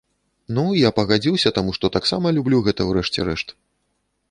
Ну, я пагадзіўся, таму што таксама люблю гэта, у рэшце рэшт.